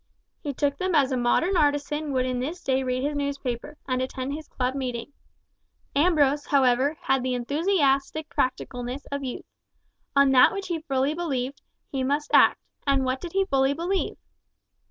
He took them as a modern artisan would in this day read his newspaper, and attend his club meeting. Ambrose, however, had the enthusiastic practicalness of youth. On that which he fully believed, he must act, and what did he fully believe?